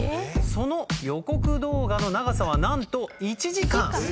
その予告動画の長さは何と１時間！